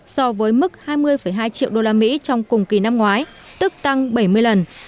so với mức hai mươi hai triệu usd trong cùng kỳ năm ngoái tức tăng bảy mươi lần